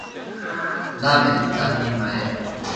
クリリソ三人前追加で